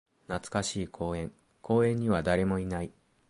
懐かしい公園。公園には誰もいない。